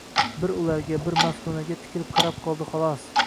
Bir ularga, bir Maftunaga tikilib qarab qoldi, xolos